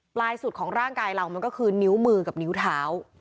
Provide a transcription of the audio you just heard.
ปลายสุดของร่างกายเรามันก็คือนิ้วมือกับนิ้วเท้า